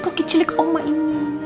kau kecil kecil ke oma ini